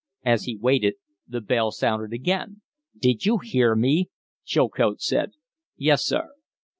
As he waited, the bell sounded again. "Did you hear me?" Chilcote said. "Yes, sir."